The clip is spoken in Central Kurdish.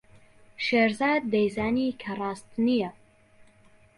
شێرزاد دەیزانی کە ڕاست نییە.